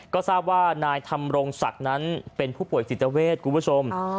ก็ทราบว่านายธรรมรงศักดิ์นั้นเป็นผู้ป่วยจิตเวทคุณผู้ชม